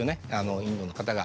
インドの方が